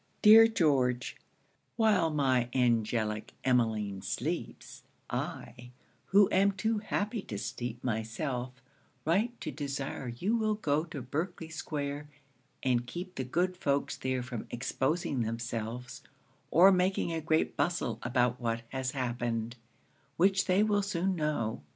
'Dear George, 'While my angelic Emmeline sleeps, I, who am too happy to sleep myself, write to desire you will go to Berkley square and keep the good folks there from exposing themselves, or making a great bustle about what has happened, which they will soon know.